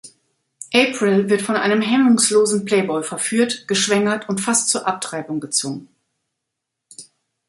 April wird von einem hemmungslosen Playboy verführt, geschwängert und fast zur Abtreibung gezwungen.